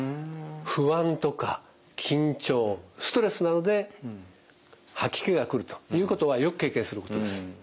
不安とか緊張ストレスなどで吐き気が来るということはよく経験することです。